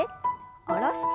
下ろして。